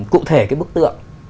cụ thể cái bức tượng